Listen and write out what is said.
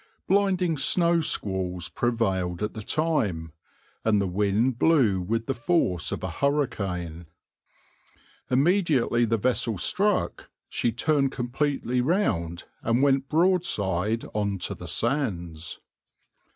Blinding snow squalls prevailed at the time, and the wind blew with the force of a hurricane. Immediately the vessel struck, she turned completely round and went broadside on to the sands.